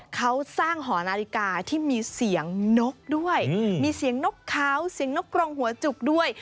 เขาสร้างหอนาฬิกาที่มีเสียงนกด้วยมีเสียงนกเขาเสียงนกกรงหัวจุกด้วย